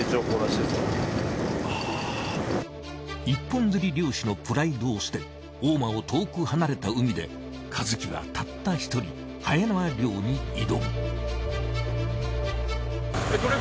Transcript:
一本釣り漁師のプライドを捨て大間を遠く離れた海で和喜はたった１人はえ縄漁に挑む。